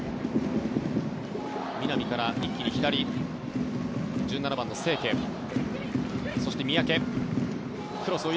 南から一気に左１７番の清家、そして三宅。